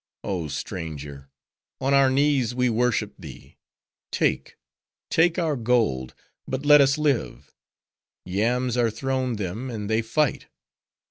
—Oh, stranger! on our knees we worship thee:—take, take our gold; but let us live!' Yams are thrown them and they fight.